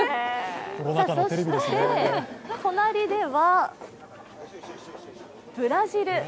そして隣ではブラジル。